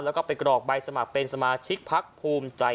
แล้วก็ไปกรอกใบสมัครเป็นสมาชิกพักภูมิใจ